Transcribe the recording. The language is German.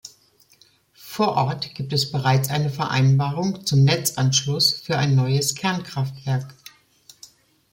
Vor Ort gibt es bereits eine Vereinbarung zum Netzanschluss für ein neues Kernkraftwerk.